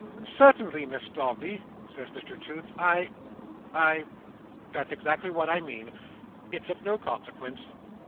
"Certainly, Miss Dombey," says Mr Toots, "I—I—that's exactly what I mean. It's of no consequence."